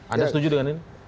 anda setuju dengan ini